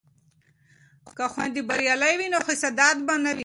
که خویندې بریالۍ وي نو حسادت به نه وي.